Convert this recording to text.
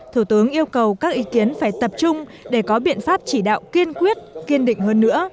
thủ tướng yêu cầu các ý kiến phải tập trung để có biện pháp chỉ đạo kiên quyết kiên định hơn nữa